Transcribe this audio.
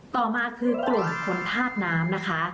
ต่อมาคือกลุ่มคนธาตุน้ำนะคะ